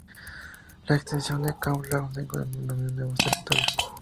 La extensión de Kowloon se denominó "Nuevos Territorios".